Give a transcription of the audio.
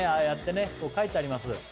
やってねこう書いてあります